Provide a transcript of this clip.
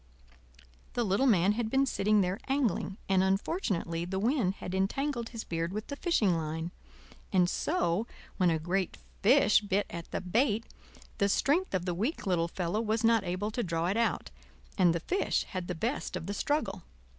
The little man had been sitting there angling, and unfortunately the wind had entangled his beard with the fishing line; and so, when a great fish bit at the bait, the strength of the weak little fellow was not able to draw it out, and the fish had the best of the struggle.